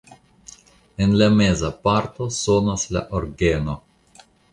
En la meza parto sonas la orgeno.